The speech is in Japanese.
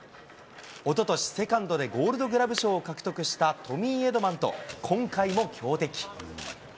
おととし、セカンドでゴールドグラブ賞を受賞したトミー・エドマンと、今回も強敵。